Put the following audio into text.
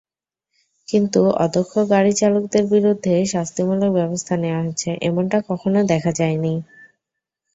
কিন্তু অদক্ষ গাড়ি চালকদের বিরুদ্ধে শাস্তিমূলক ব্যবস্থা নেওয়া হয়েছে—এমনটা কখনো দেখা যায়নি।